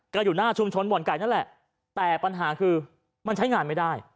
ก็อยู่หน้าชุมชนบ่อนไก่นั่นแหละแต่ปัญหาคือมันใช้งานไม่ได้